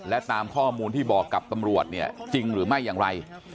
และตามข้อมูลที่บอกกับตำรวจเนี่ยจริงหรือไม่อย่างไร